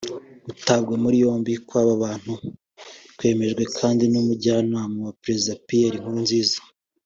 Gutabwa muri yombi kw’aba bantu kwemejwe kandi n’Umujyanama wa Perezida Pierre Nkurunziza